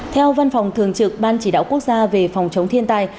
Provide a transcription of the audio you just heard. theo văn phòng thường trực ban chỉ đạo quốc gia về phòng chống thiên tai